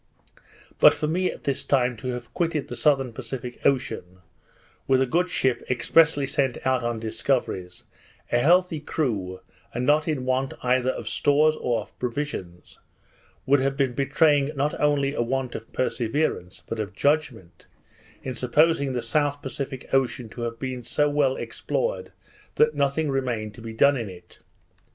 But for me at this time to have quitted the southern Pacific Ocean, with a good ship expressly sent out on discoveries, a healthy crew, and not in want either of stores or of provisions, would have been betraying not only a want of perseverance, but of judgment, in supposing the south Pacific Ocean to have been so well explored, that nothing remained to be done in it.